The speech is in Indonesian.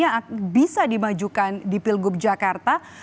yang bisa dimajukan di pilgub jakarta